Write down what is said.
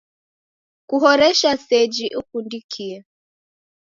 Kuhoreshe seji ikundikie.